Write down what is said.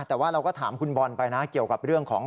แต่ว่าเราก็ถามคุณบอลไปนะเกี่ยวกับเรื่องของ